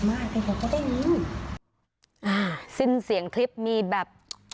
อ่าซิ่มเสียงคลิปมีแบบ